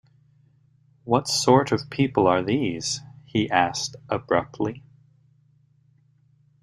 “What sort of people are these?” he asked abruptly.